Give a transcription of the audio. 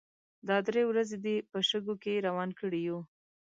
دا درې ورځې دې په شګو کې روان کړي يو.